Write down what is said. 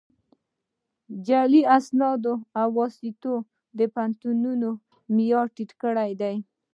جعلي اسناد او واسطې د پوهنتونونو معیار ټیټ کړی دی